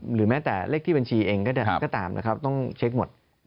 หรือแม้แต่เลขที่บัญชีเองก็ตามนะครับต้องเช็คหมด